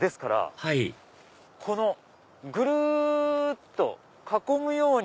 はいぐるっと囲むように。